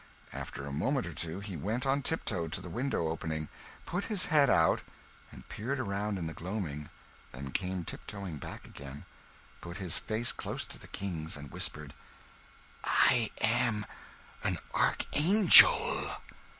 After a moment or two he went on tiptoe to the window opening, put his head out, and peered around in the gloaming, then came tiptoeing back again, put his face close down to the King's, and whispered "I am an archangel!"